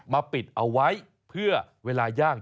ปิดเอาไว้เพื่อเวลาย่าง